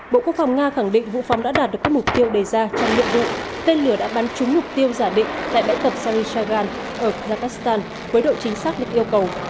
bộ quốc phòng nga khẳng định vụ phóng đã đạt được các mục tiêu đề ra trong nhiệm vụ tên lửa đã bắn trúng mục tiêu giả định tại bãi tập sharilygan ở kazakhstan với độ chính xác được yêu cầu